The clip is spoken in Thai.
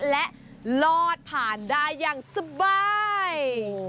และลอดผ่านได้อย่างสบาย